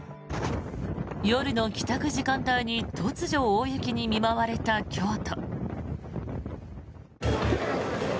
夜の帰宅時間帯に突如、大雪に見舞われた京都。